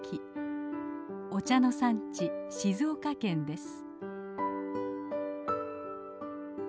お茶の産地静岡県です。